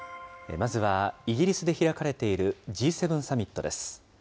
まずはイギリスで開かれているＧ７サミットです。